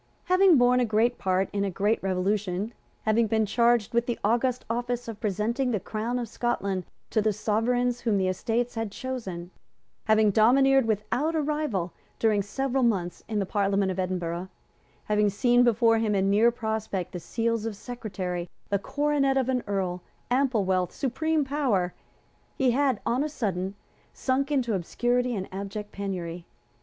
Having borne a great part in a great Revolution, having been charged with the august office of presenting the Crown of Scotland to the Sovereigns whom the Estates had chosen, having domineered without a rival, during several months, in the Parliament at Edinburgh, having seen before him in near prospect the seals of Secretary, the coronet of an Earl, ample wealth, supreme power, he had on a sudden sunk into obscurity and abject penury.